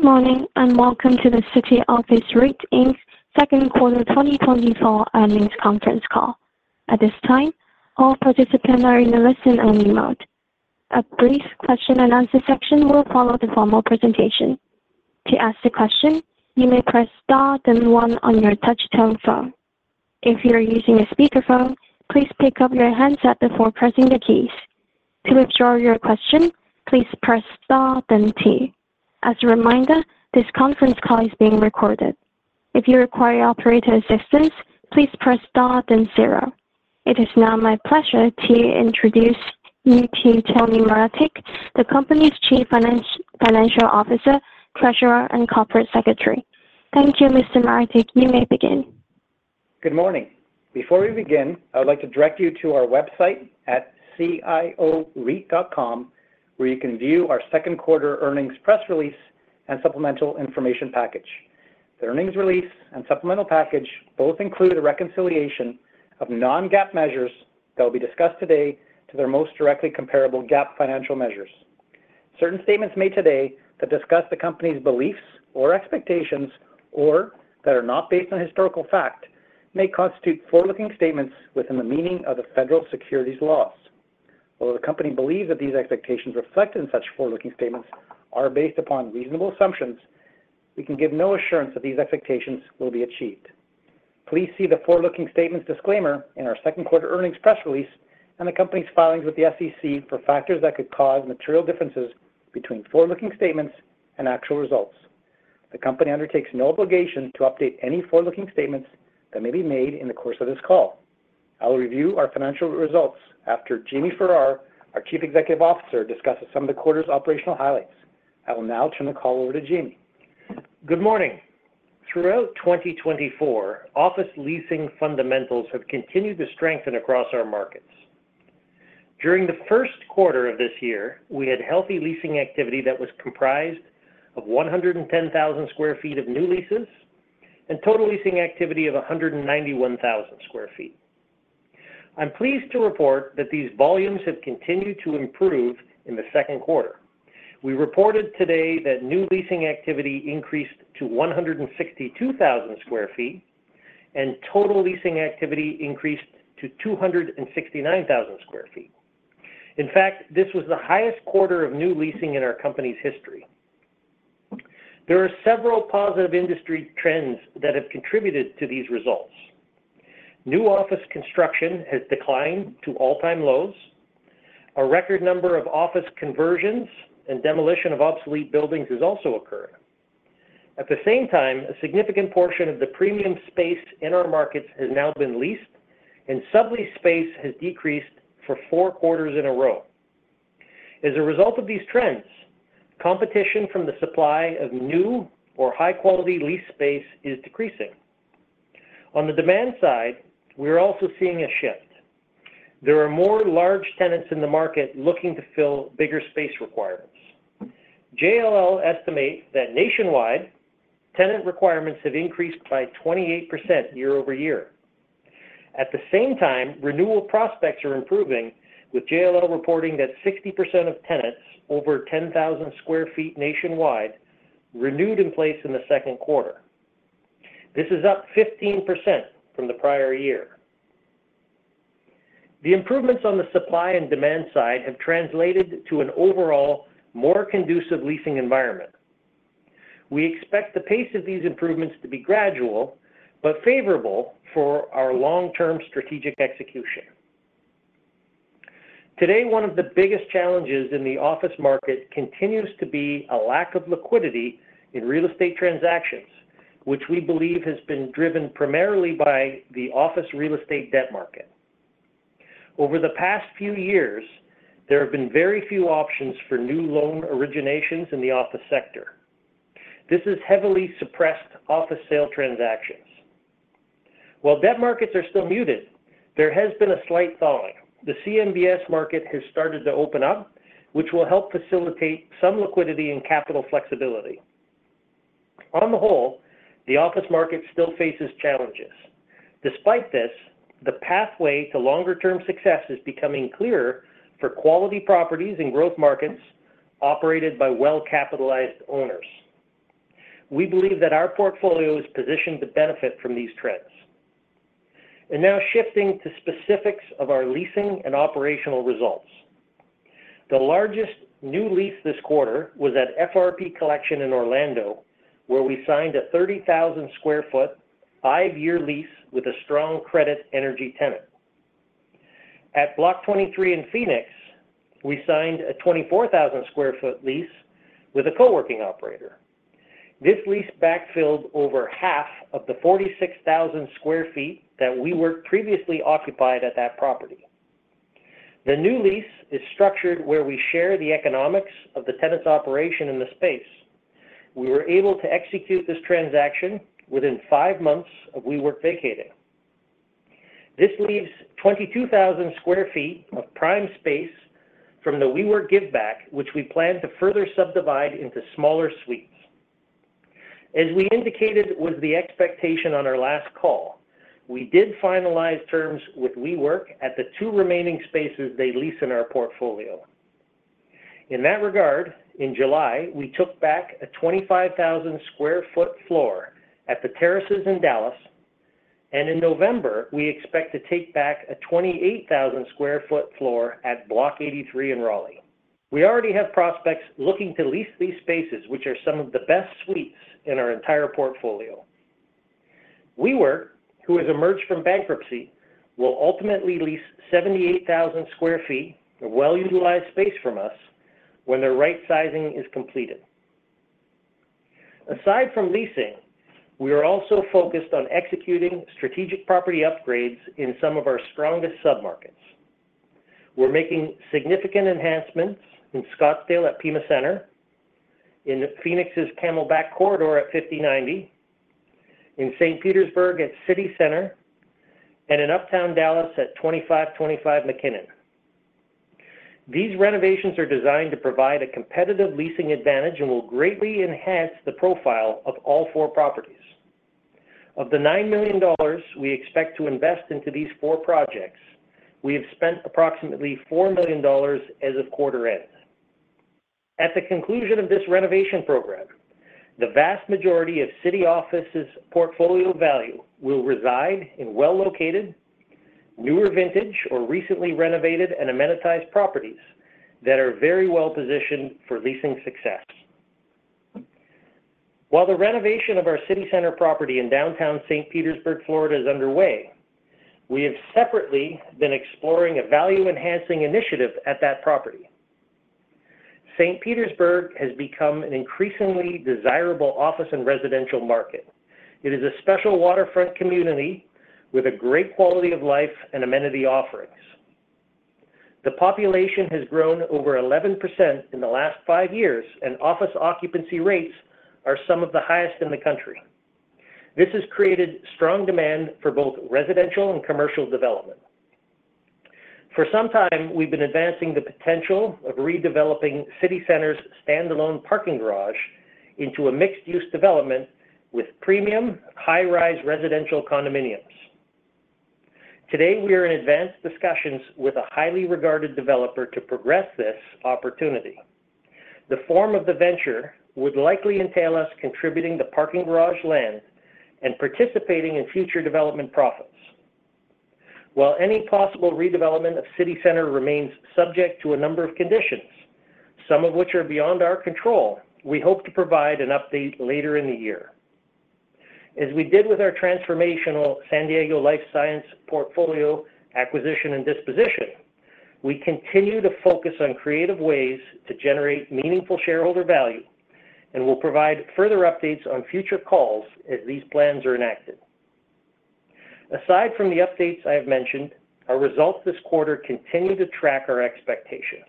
Good morning and welcome to the City Office REIT, Inc. Q2 2024 earnings conference call. At this time, all participants are in the listen-only mode. A brief question-and-answer section will follow the formal presentation. To ask a question, you may press star then one on your touch-tone phone. If you are using a speakerphone, please pick up your handset before pressing the keys. To withdraw your question, please press star then two. As a reminder, this conference call is being recorded. If you require operator assistance, please press star then zero. It is now my pleasure to introduce you to Tony Maretic, the company's Chief Financial Officer, Treasurer, and Corporate Secretary. Thank you, Mr. Maretic. You may begin. Good morning. Before we begin, I would like to direct you to our website at cioreit.com, where you can view our Q2 earnings press release and supplemental information package. The earnings release and supplemental package both include a reconciliation of non-GAAP measures that will be discussed today to their most directly comparable GAAP financial measures. Certain statements made today that discuss the company's beliefs or expectations, or that are not based on historical fact, may constitute forward-looking statements within the meaning of the federal securities laws. Although the company believes that these expectations reflected in such forward-looking statements are based upon reasonable assumptions, we can give no assurance that these expectations will be achieved. Please see the forward-looking statements disclaimer in our Q2 earnings press release and the company's filings with the SEC for factors that could cause material differences between forward-looking statements and actual results. The company undertakes no obligation to update any forward-looking statements that may be made in the course of this call. I will review our financial results after Jamie Farrar, our Chief Executive Officer, discusses some of the quarter's operational highlights. I will now turn the call over to Jamie. Good morning. Throughout 2024, office leasing fundamentals have continued to strengthen across our markets. During the Q1 of this year, we had healthy leasing activity that was comprised of 110,000 sq ft of new leases and total leasing activity of 191,000 sq ft. I'm pleased to report that these volumes have continued to improve in the Q2. We reported today that new leasing activity increased to 162,000 sq ft and total leasing activity increased to 269,000 sq ft. In fact, this was the highest quarter of new leasing in our company's history. There are several positive industry trends that have contributed to these results. New office construction has declined to all-time lows. A record number of office conversions and demolition of obsolete buildings has also occurred. At the same time, a significant portion of the premium space in our markets has now been leased, and sublease space has decreased for four quarters in a row. As a result of these trends, competition from the supply of new or high-quality lease space is decreasing. On the demand side, we are also seeing a shift. There are more large tenants in the market looking to fill bigger space requirements. JLL estimates that nationwide, tenant requirements have increased by 28% year-over-year. At the same time, renewal prospects are improving, with JLL reporting that 60% of tenants over 10,000 sq ft nationwide renewed in place in the Q2. This is up 15% from the prior year. The improvements on the supply and demand side have translated to an overall more conducive leasing environment. We expect the pace of these improvements to be gradual but favorable for our long-term strategic execution. Today, one of the biggest challenges in the office market continues to be a lack of liquidity in real estate transactions, which we believe has been driven primarily by the office real estate debt market. Over the past few years, there have been very few options for new loan originations in the office sector. This has heavily suppressed office sale transactions. While debt markets are still muted, there has been a slight thawing. The CMBS market has started to open up, which will help facilitate some liquidity and capital flexibility. On the whole, the office market still faces challenges. Despite this, the pathway to longer-term success is becoming clearer for quality properties in growth markets operated by well-capitalized owners. We believe that our portfolio is positioned to benefit from these trends. Now shifting to specifics of our leasing and operational results. The largest new lease this quarter was at FRP Collection in Orlando, where we signed a 30,000 sq ft 5-year lease with a strong credit energy tenant. At Block 23 in Phoenix, we signed a 24,000 sq ft lease with a coworking operator. This lease backfilled over half of the 46,000 sq ft that we were previously occupied at that property. The new lease is structured where we share the economics of the tenant's operation in the space. We were able to execute this transaction within 5 months of WeWork vacating. This leaves 22,000 sq ft of prime space from the WeWork give-back, which we plan to further subdivide into smaller suites. As we indicated with the expectation on our last call, we did finalize terms with WeWork at the 2 remaining spaces they lease in our portfolio. In that regard, in July, we took back a 25,000 sq ft floor at The Terraces in Dallas, and in November, we expect to take back a 28,000 sq ft floor at Block 83 in Raleigh. We already have prospects looking to lease these spaces, which are some of the best suites in our entire portfolio. WeWork, who has emerged from bankruptcy, will ultimately lease 78,000 sq ft of well-utilized space from us when their rightsizing is completed. Aside from leasing, we are also focused on executing strategic property upgrades in some of our strongest submarkets. We're making significant enhancements in Scottsdale at Pima Center, in Phoenix's Camelback Corridor at 5090, in St. Petersburg at City Center, and in Uptown Dallas at 2525 McKinnon. These renovations are designed to provide a competitive leasing advantage and will greatly enhance the profile of all four properties. Of the $9 million we expect to invest into these four projects, we have spent approximately $4 million as of quarter end. At the conclusion of this renovation program, the vast majority of City Office's portfolio value will reside in well-located, newer vintage, or recently renovated and amenitized properties that are very well-positioned for leasing success. While the renovation of our City Center property in downtown St. Petersburg, Florida, is underway, we have separately been exploring a value-enhancing initiative at that property. St. Petersburg has become an increasingly desirable office and residential market. It is a special waterfront community with a great quality of life and amenity offerings. The population has grown over 11% in the last five years, and office occupancy rates are some of the highest in the country. This has created strong demand for both residential and commercial development. For some time, we've been advancing the potential of redeveloping City Center's standalone parking garage into a mixed-use development with premium high-rise residential condominiums. Today, we are in advanced discussions with a highly regarded developer to progress this opportunity. The form of the venture would likely entail us contributing the parking garage land and participating in future development profits. While any possible redevelopment of City Center remains subject to a number of conditions, some of which are beyond our control, we hope to provide an update later in the year. As we did with our transformational San Diego Life Science portfolio acquisition and disposition, we continue to focus on creative ways to generate meaningful shareholder value and will provide further updates on future calls as these plans are enacted. Aside from the updates I have mentioned, our results this quarter continue to track our expectations.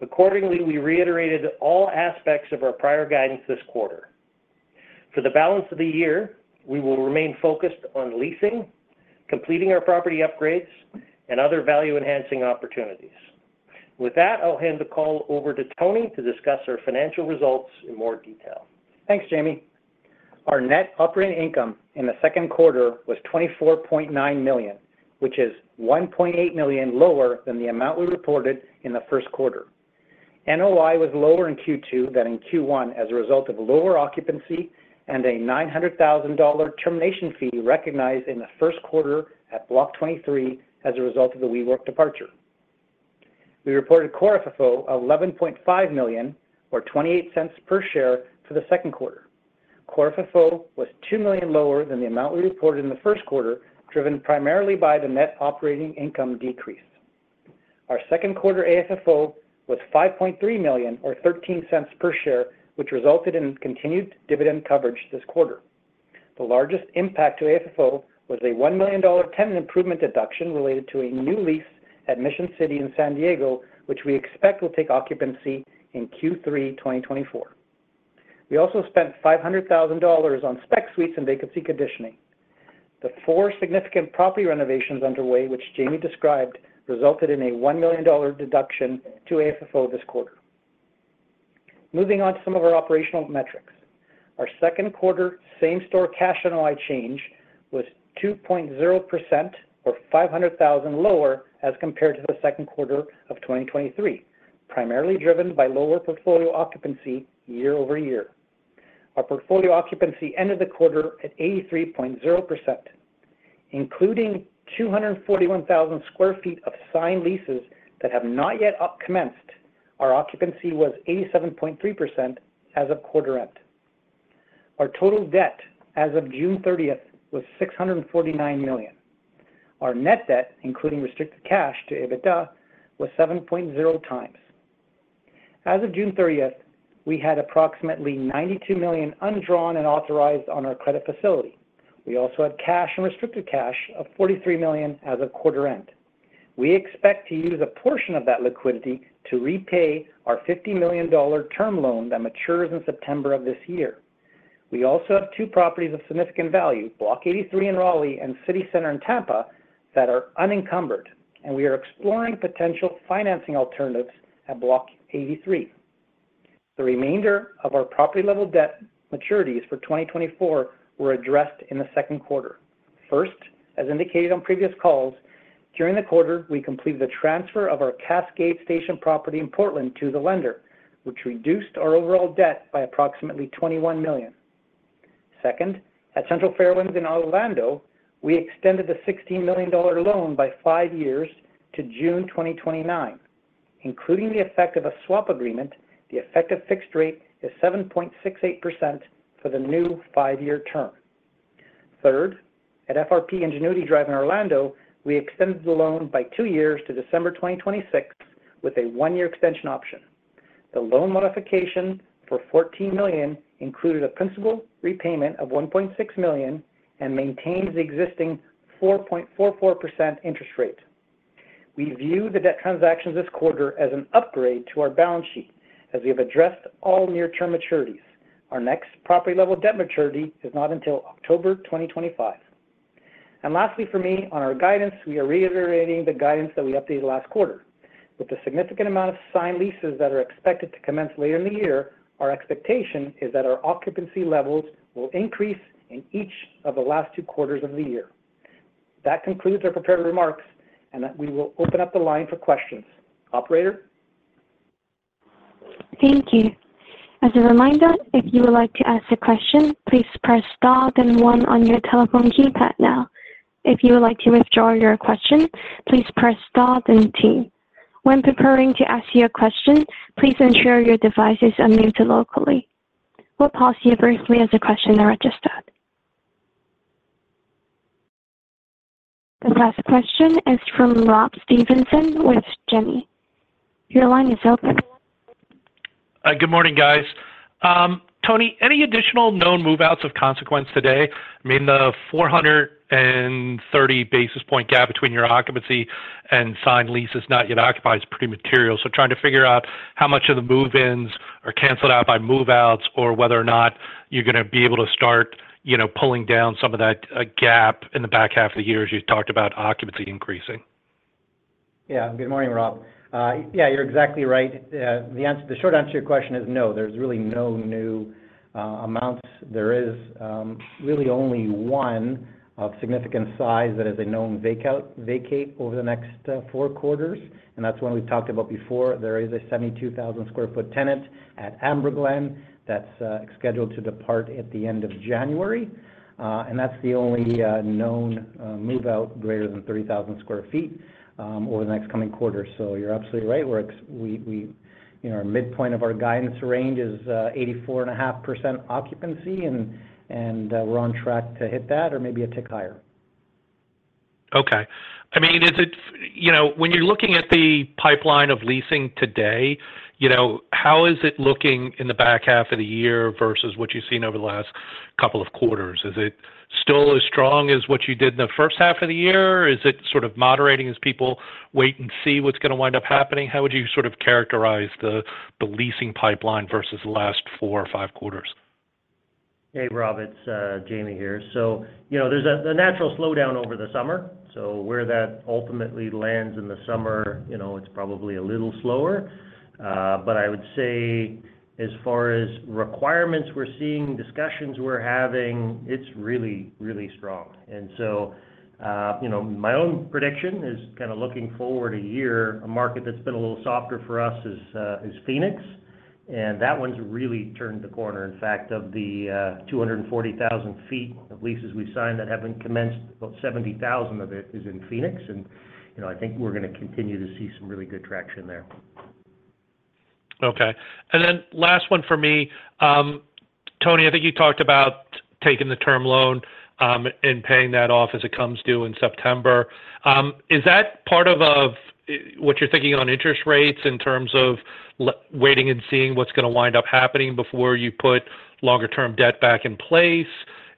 Accordingly, we reiterated all aspects of our prior guidance this quarter. For the balance of the year, we will remain focused on leasing, completing our property upgrades, and other value-enhancing opportunities. With that, I'll hand the call over to Tony to discuss our financial results in more detail. Thanks, Jamie. Our net operating income in the Q2 was $24.9 million, which is $1.8 million lower than the amount we reported in the Q1. NOI was lower in Q2 than in Q1 as a result of lower occupancy and a $900,000 termination fee recognized in the Q1 at Block 23 as a result of the WeWork departure. We reported core FFO of $11.5 million, or $0.28 per share, for the Q2. Core FFO was $2 million lower than the amount we reported in the Q1, driven primarily by the net operating income decrease. Our Q2 AFFO was $5.3 million, or $0.13 per share, which resulted in continued dividend coverage this quarter. The largest impact to AFFO was a $1 million tenant improvement deduction related to a new lease at Mission City in San Diego, which we expect will take occupancy in Q3 2024. We also spent $500,000 on spec suites and vacancy conditioning. The four significant property renovations underway, which Jamie described, resulted in a $1 million deduction to AFFO this quarter. Moving on to some of our operational metrics. Our Q2 same-store cash NOI change was 2.0%, or $500,000 lower as compared to the Q2 of 2023, primarily driven by lower portfolio occupancy year-over-year. Our portfolio occupancy ended the quarter at 83.0%. Including 241,000 sq ft of signed leases that have not yet commenced, our occupancy was 87.3% as of quarter end. Our total debt as of June 30 was $649 million. Our net debt, including restricted cash to EBITDA, was 7.0 times. As of June 30, we had approximately $92 million undrawn and authorized on our credit facility. We also had cash and restricted cash of $43 million as of quarter end. We expect to use a portion of that liquidity to repay our $50 million term loan that matures in September of this year. We also have two properties of significant value, Block 83 in Raleigh and City Center in Tampa, that are unencumbered, and we are exploring potential financing alternatives at Block 83. The remainder of our property-level debt maturities for 2024 were addressed in the Q2. First, as indicated on previous calls, during the quarter, we completed the transfer of our Cascade Station property in Portland to the lender, which reduced our overall debt by approximately $21 million. Second, at Central Fairwinds in Orlando, we extended the $16 million loan by five years to June 2029. Including the effect of a swap agreement, the effective fixed rate is 7.68% for the new 5-year term. Third, at FRP Ingenuity Drive in Orlando, we extended the loan by 2 years to December 2026 with a 1-year extension option. The loan modification for $14 million included a principal repayment of $1.6 million and maintains the existing 4.44% interest rate. We view the debt transactions this quarter as an upgrade to our balance sheet as we have addressed all near-term maturities. Our next property-level debt maturity is not until October 2025. And lastly, for me, on our guidance, we are reiterating the guidance that we updated last quarter. With the significant amount of signed leases that are expected to commence later in the year, our expectation is that our occupancy levels will increase in each of the last two quarters of the year. That concludes our prepared remarks, and we will open up the line for questions. Operator. Thank you. As a reminder, if you would like to ask a question, please press star then 1 on your telephone keypad now. If you would like to withdraw your question, please press star then 2. When preparing to ask your question, please ensure your device is unmuted locally. We'll pause here briefly as the questioner registers. The last question is from Rob Stevenson with Janney. Your line is open. Good morning, guys. Tony, any additional known move-outs of consequence today? I mean, the 430 basis point gap between your occupancy and signed leases not yet occupied is pretty material. So trying to figure out how much of the move-ins are canceled out by move-outs or whether or not you're going to be able to start pulling down some of that gap in the back half of the year as you talked about occupancy increasing. Yeah. Good morning, Rob. Yeah, you're exactly right. The short answer to your question is no. There's really no new amounts. There is really only one of significant size that is a known vacate over the next four quarters, and that's one we've talked about before. There is a 72,000 sq ft tenant at Amber Glen that's scheduled to depart at the end of January, and that's the only known move-out greater than 30,000 sq ft over the next coming quarter. So you're absolutely right. We're in our midpoint of our guidance range is 84.5% occupancy, and we're on track to hit that or maybe a tick higher. Okay. I mean, when you're looking at the pipeline of leasing today, how is it looking in the back half of the year versus what you've seen over the last couple of quarters? Is it still as strong as what you did in the first half of the year? Is it sort of moderating as people wait and see what's going to wind up happening? How would you sort of characterize the leasing pipeline versus the last four or five quarters? Hey, Rob. It's Jamie here. So there's a natural slowdown over the summer. So where that ultimately lands in the summer, it's probably a little slower. But I would say as far as requirements we're seeing, discussions we're having, it's really, really strong. And so my own prediction is kind of looking forward a year, a market that's been a little softer for us is Phoenix, and that one's really turned the corner. In fact, of the 240,000 feet of leases we signed that haven't commenced, about 70,000 of it is in Phoenix, and I think we're going to continue to see some really good traction there. Okay. And then last one for me. Tony, I think you talked about taking the term loan and paying that off as it comes due in September. Is that part of what you're thinking on interest rates in terms of waiting and seeing what's going to wind up happening before you put longer-term debt back in place?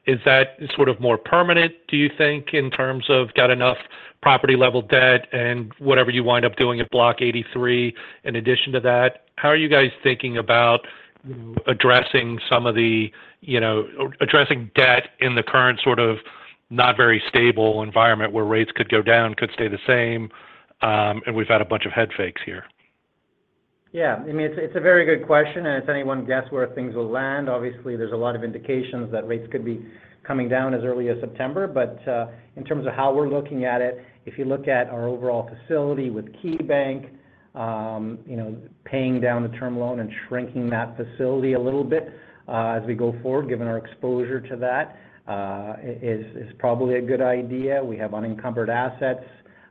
Is that sort of more permanent, do you think, in terms of got enough property-level debt and whatever you wind up doing at Block 83 in addition to that? How are you guys thinking about addressing some of the addressing debt in the current sort of not very stable environment where rates could go down, could stay the same, and we've had a bunch of head fakes here? Yeah. I mean, it's a very good question, and it's anyone's guess where things will land. Obviously, there's a lot of indications that rates could be coming down as early as September. But in terms of how we're looking at it, if you look at our overall facility with KeyBank, paying down the term loan and shrinking that facility a little bit as we go forward, given our exposure to that, is probably a good idea. We have unencumbered assets.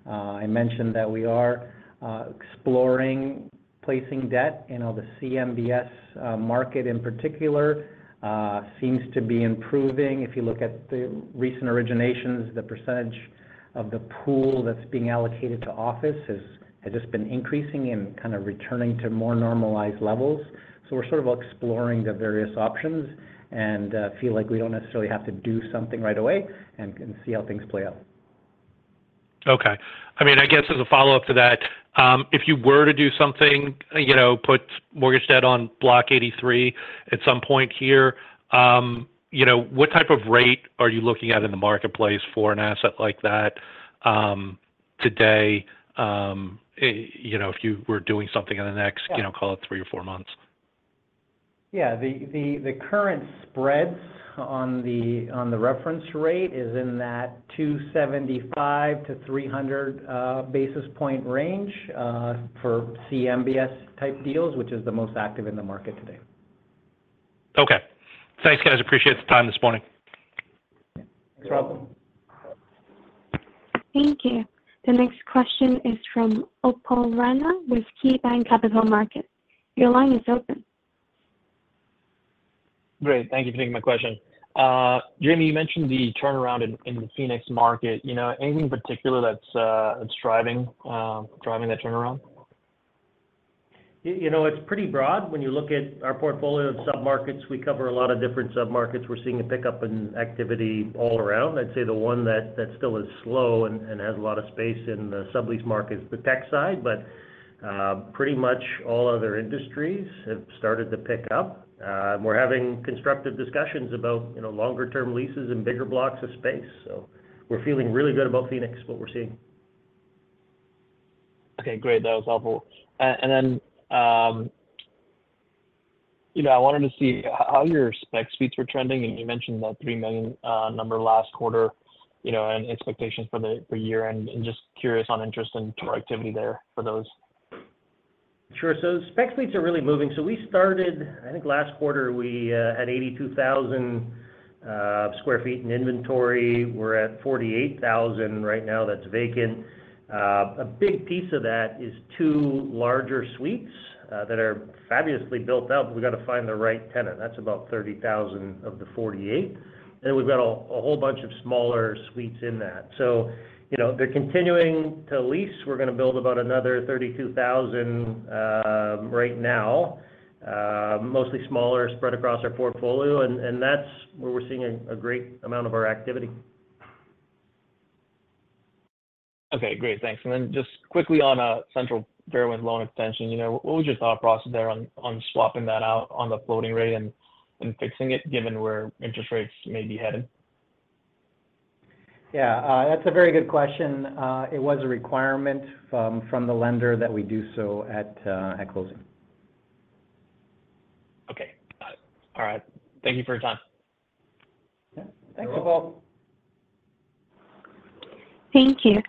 I mentioned that we are exploring placing debt. The CMBS market in particular seems to be improving. If you look at the recent originations, the percentage of the pool that's being allocated to office has just been increasing and kind of returning to more normalized levels. We're sort of exploring the various options and feel like we don't necessarily have to do something right away and see how things play out. Okay. I mean, I guess as a follow-up to that, if you were to do something, put mortgage debt on Block 83 at some point here, what type of rate are you looking at in the marketplace for an asset like that today if you were doing something in the next, call it, three or four months? Yeah. The current spreads on the reference rate is in that 275-300 basis point range for CMBS-type deals, which is the most active in the market today. Okay. Thanks, guys. Appreciate the time this morning. Thanks, Rob. Thank you. The next question is from Upal Rana with KeyBanc Capital Markets. Your line is open. Great. Thank you for taking my question. Jamie, you mentioned the turnaround in the Phoenix market. Anything in particular that's driving that turnaround? It's pretty broad. When you look at our portfolio of sub-markets, we cover a lot of different sub-markets. We're seeing a pickup in activity all around. I'd say the one that still is slow and has a lot of space in the sublease market is the tech side, but pretty much all other industries have started to pick up. We're having constructive discussions about longer-term leases and bigger blocks of space. So we're feeling really good about Phoenix, what we're seeing. Okay. Great. That was helpful. Then I wanted to see how your spec suites were trending, and you mentioned that $3 million number last quarter and expectations for the year-end, and just curious on interest and activity there for those. Sure. So spec suites are really moving. So we started, I think last quarter, we had 82,000 sq ft in inventory. We're at 48,000 right now that's vacant. A big piece of that is two larger suites that are fabulously built up. We've got to find the right tenant. That's about 30,000 of the 48. And then we've got a whole bunch of smaller suites in that. So they're continuing to lease. We're going to build about another 32,000 right now, mostly smaller, spread across our portfolio, and that's where we're seeing a great amount of our activity. Okay. Great. Thanks. And then just quickly on Central Fairlands loan extension, what was your thought process there on swapping that out on the floating rate and fixing it given where interest rates may be heading? Yeah. That's a very good question. It was a requirement from the lender that we do so at closing. Okay. Got it. All right. Thank you for your time. Yeah. Thanks, Rob. Thank you.